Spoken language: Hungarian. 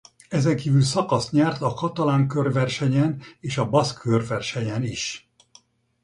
Ezen kívül szakaszt nyert a Katalán körversenyen és a Baszk körversenyen is.